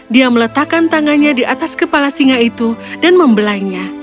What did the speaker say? dia meletakkan tangannya di atas kepala singa itu dan membelainya